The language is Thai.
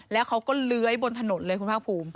และเขาก็เร้ยบนถนนเลยคุณภาคราภุม